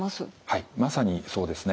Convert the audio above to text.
はいまさにそうですね。